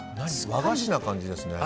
和菓子な感じですね。